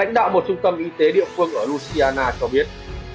lãnh đạo một trung tâm y tế địa phương ở russiana cho biết